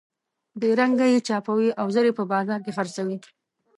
بېدرنګه یې چاپوئ او ژر یې په بازار کې خرڅوئ.